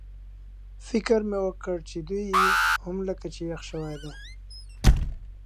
فکر مې وکړ چې دوی هم لکه چې یخ شوي دي.